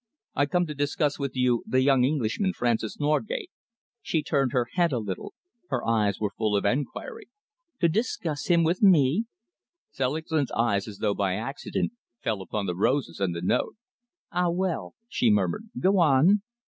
I come to discuss with you the young Englishman, Francis Norgate." She turned her head a little. Her eyes were full of enquiry. "To discuss him with me?" Selingman's eyes as though by accident fell upon the roses and the note. "Ah, well," she murmured, "go on."